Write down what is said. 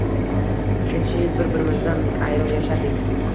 Shuncha yil bir birimizdan ayro yashadik